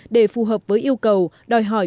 để phù hợp với yêu cầu đòi hỏi